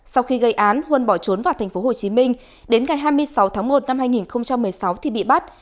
sau khi gây án huân bỏ trốn vào thành phố hồ chí minh đến ngày hai mươi sáu tháng một năm hai nghìn một mươi sáu thì bị bắt